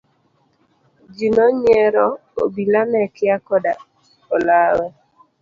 Ji nonyiero, obila ne kia koda olawe.